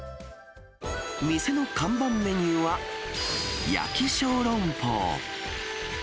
店の看板メニューは焼き小籠包。